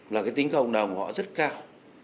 là cái tính cộng đồng họ rất cao